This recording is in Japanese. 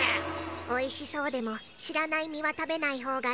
おいしそうでもしらないみはたべないほうがいいわ。